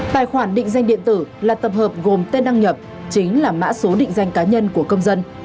tài khoản định danh điện tử là tập hợp gồm tên đăng nhập chính là mã số định danh cá nhân của công dân